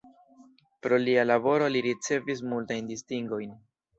Pro lia laboro li ricevis multajn distingojn.